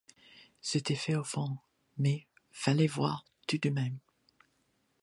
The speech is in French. C’était fait au fond, mais fallait voir tout de même.